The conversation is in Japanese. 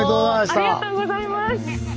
ありがとうございます！